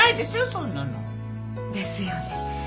そんなの。ですよね。